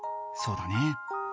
そうだね。